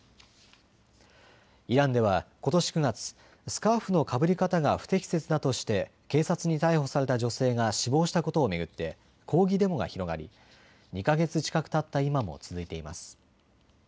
イランではことし９月、スカーフのかぶり方が不適切だとして警察に逮捕された女性が死亡したことを巡って抗議デモが広がり２か月近くたった今も続いています。